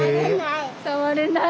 触れない？